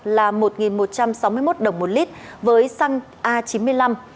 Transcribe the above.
là một một trăm sáu mươi một đồng một lít với xăng a chín mươi năm